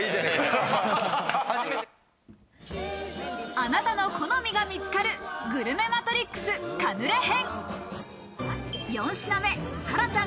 あなたの好みが見つかるグルメマトリックス・カヌレ編。